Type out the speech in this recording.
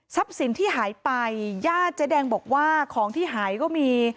สินที่หายไปญาติเจ๊แดงบอกว่าของที่หายก็มี